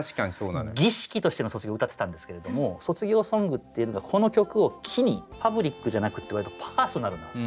儀式としての卒業を歌ってたんですけれども卒業ソングっていうのがこの曲を機にパブリックじゃなくてわりとパーソナルな。